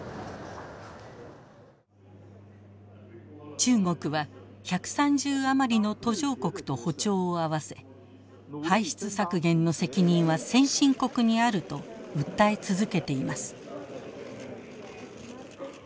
中国は１３０余りの途上国と歩調を合わせ排出削減の責任は先進国にあると訴え続けています。